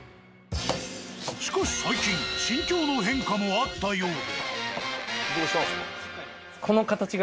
しかし最近心境の変化もあったようで。